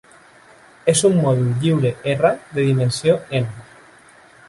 És un mòdul lliure "R" de dimensió "n".